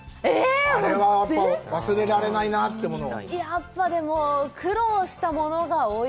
あれは忘れられないなってものは。